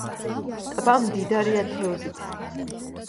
ტბა მდიდარია თევზით.